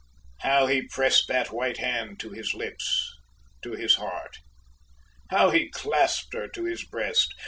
How he pressed that white hand, to his lips, to his heart! How he clasped her to his breast!